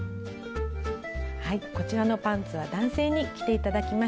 こちらのパンツは男性に着て頂きました。